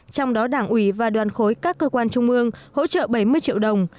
trong đó đảng ủy và đoàn khối các cơ quan trung ương hỗ trợ bảy mươi triệu đồng